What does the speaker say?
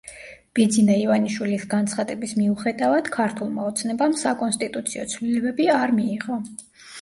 ბიძინა ივანიშვილის განცხადების მიუხედავად, „ქართულმა ოცნებამ“ საკონსტიტუციო ცვლილებები არ მიიღო.